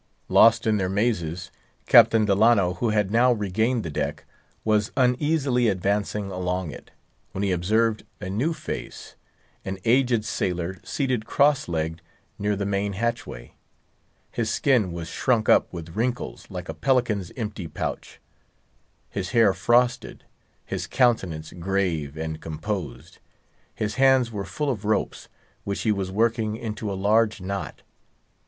Lost in their mazes, Captain Delano, who had now regained the deck, was uneasily advancing along it, when he observed a new face; an aged sailor seated cross legged near the main hatchway. His skin was shrunk up with wrinkles like a pelican's empty pouch; his hair frosted; his countenance grave and composed. His hands were full of ropes, which he was working into a large knot.